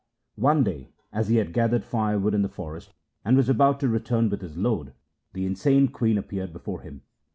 One day as he had gathered firewood in the forest and was about to return with his load, the insane queen appeared before him.